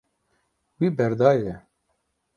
Wî berdaye.